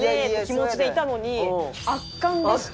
気持ちでいたのに圧巻でした。